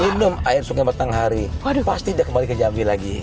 minum air sungai matahari pasti dia kembali ke jambi lagi